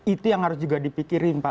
itu yang harus juga dipikirin pak